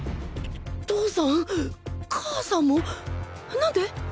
父さん！？母さんもなんで！？